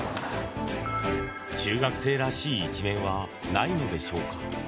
中学生らしい一面はないのでしょうか？